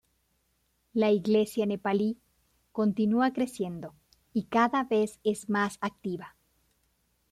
La Iglesia nepalí continúa creciendo y cada vez es más activa.